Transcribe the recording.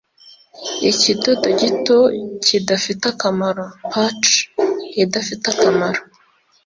ikidodo gito kidafite akamaro, patch idafite akamaro;